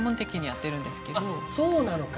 そうなのか。